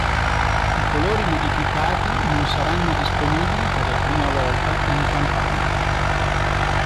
I colori modificati non saranno disponibili per la prima volta in campagna.